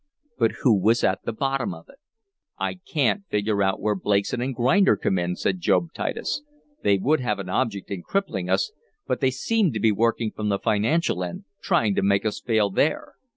But who was at the bottom of it? "I can't figure out where Blakeson & Grinder come in," said Job Titus. "They would have an object in crippling us, but they seem to be working from the financial end, trying to make us fail there.